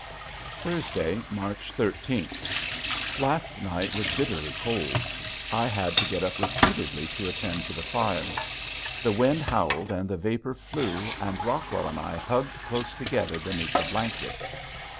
Thursday, March thirteenth. Last night was bitterly cold. I had to get up repeatedly to attend to the fire. The wind howled and the vapor flew and Rockwell and I hugged close together beneath the blankets.